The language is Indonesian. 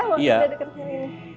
waktu kita dekat sini